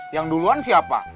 yang duluan siapa